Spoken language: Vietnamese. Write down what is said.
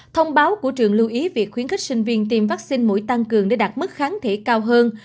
thông báo của trường lưu ý việc khuyến khích sinh viên tiêm vaccine mũi tăng cường để đạt mức kháng thể cao hơn